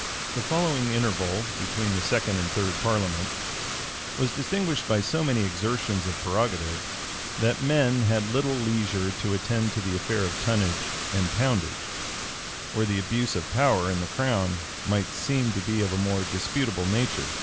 The following interval between the second and third parliament, was distinguished by so many exertions of prerogative, that men had little leisure to attend to the affair of tonnage and poundage, where the abuse of power in the crown might seem to be of a more disputable nature.